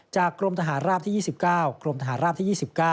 กรมทหารราบที่๒๙กรมทหารราบที่๒๙